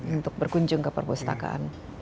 untuk berkunjung ke perpustakaan